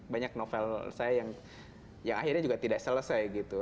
banyak novel saya yang akhirnya juga tidak selesai gitu